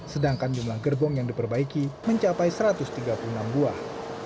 sedangkan jumlah gerbong yang diperbaiki mencapai satu ratus tiga puluh enam buah